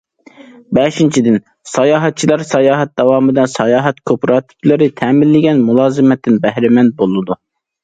بەشىنچىدىن، ساياھەتچىلەر ساياھەت داۋامىدا ساياھەت كوپىراتىپلىرى تەمىنلىگەن مۇلازىمەتتىن بەھرىمەن بولىدۇ.